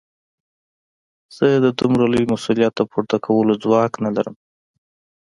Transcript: زه د دومره لوی مسوليت د پورته کولو ځواک نه لرم.